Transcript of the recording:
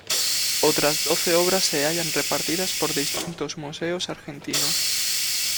Otras doce obras se hallan repartidas por distintos museos argentinos.